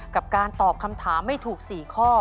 กับการตอบคำถามให้ถูก๔ข้อ